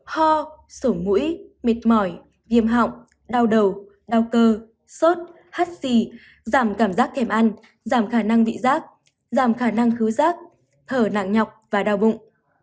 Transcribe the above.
ho sổ mũi mệt mỏi viêm họng đau đầu đau cơ sốt hắt xỉ giảm cảm giác kèm ăn giảm khả năng vị giác giảm khả năng cứu giác thở nặng nhọc và đau bụng